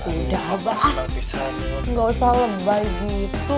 udah abah gak usah lebay gitu